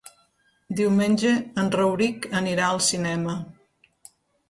Diumenge en Rauric anirà al cinema.